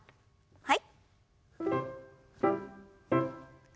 はい。